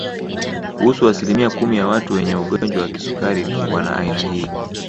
Kuhusu asilimia kumi ya watu wenye ugonjwa wa kisukari wana aina hii